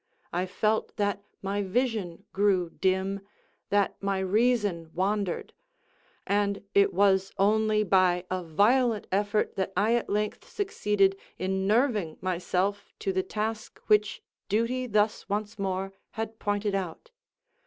I felt that my vision grew dim, that my reason wandered; and it was only by a violent effort that I at length succeeded in nerving myself to the task which duty thus once more had pointed out.